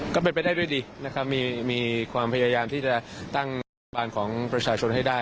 ก็เฝ้นไปได้ด้วยดีมีความพยายามที่จะตั้งบ้านของประชาชนให้ได้